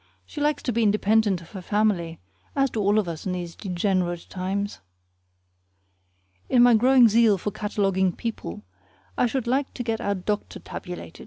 She likes to be independent of her family, as do all of us in these degenerate times. In my growing zeal for cataloguing people, I should like to get our doctor tabulated.